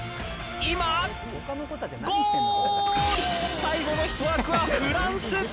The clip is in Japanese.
最後の１枠はフランス。